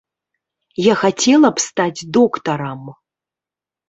Я хацела б стаць доктарам.